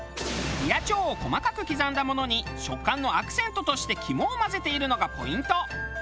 胃や腸を細かく刻んだものに食感のアクセントとして肝を混ぜているのがポイント。